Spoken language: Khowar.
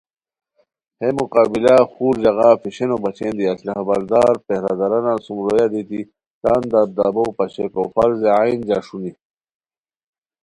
ہے مقابلا خور ژاغا فیشنو بچین دی اسلحہ بردار پہرہ دارانان سوم رویا دیتی تان دبدبو پاشئیکو فرضِ عین جاݰونی